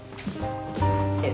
えっ？